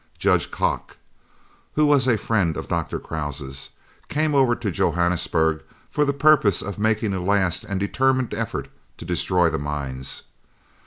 Judge Kock, who was a friend of Dr. Krause's, came over to Johannesburg for the purpose of making a last and determined effort to destroy the mines.